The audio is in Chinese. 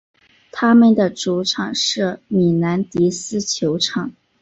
他们的主场是米兰迪斯球场。